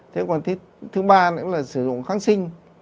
thế còn thứ ba nữa là sử dụng kháng sinh